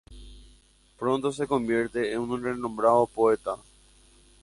Pronto se convierte en un renombrado poeta.